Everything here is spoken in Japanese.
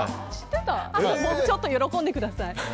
もうちょっと喜んでください。